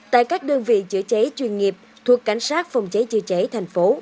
tại các đơn vị chữa cháy chuyên nghiệp thuộc cảnh sát phòng cháy chữa cháy tp hcm